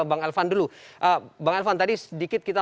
bang elvan dulu bang elvan tadi sedikit kita